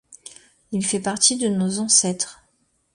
Il fait partie de nos ancêtres.